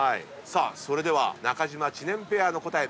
それでは中島・知念ペアの答え